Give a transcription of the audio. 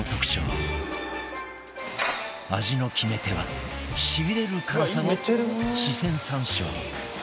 味の決め手はしびれる辛さの四川山椒